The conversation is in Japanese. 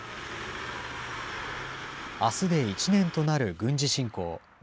あすで１年となる軍事侵攻。